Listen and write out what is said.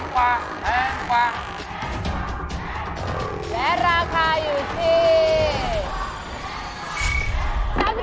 และราคาอยู่ที่